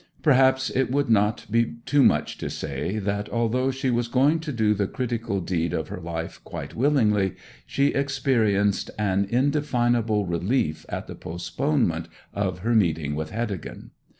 Perhaps it would not be too much to say that, although she was going to do the critical deed of her life quite willingly, she experienced an indefinable relief at the postponement of her meeting with Heddegan.